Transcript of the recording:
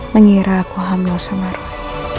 mengira aku hamil sama roy